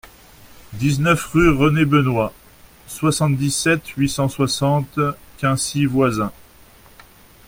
dix-neuf rue René Benoist, soixante-dix-sept, huit cent soixante, Quincy-Voisins